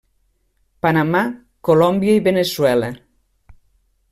Panamà, Colòmbia i Veneçuela.